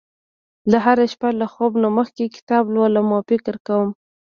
زه هره شپه له خوب نه مخکې کتاب لولم او فکر کوم